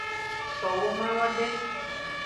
So womalo de.